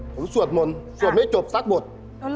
ผมสวดมนตร์สวดไม่จบซักบทอ๋อเหรอ